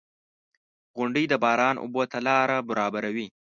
• غونډۍ د باران اوبو ته لاره برابروي.